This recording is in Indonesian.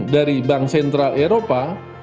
dari bank sentral eropa